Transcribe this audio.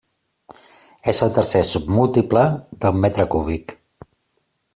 És el tercer submúltiple del metre cúbic.